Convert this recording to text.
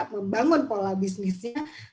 membangun pola bisnisnya